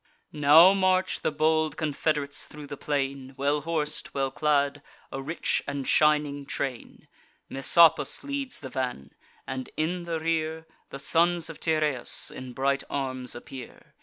Now march the bold confed'rates thro' the plain, Well hors'd, well clad; a rich and shining train. Messapus leads the van; and, in the rear, The sons of Tyrrheus in bright arms appear.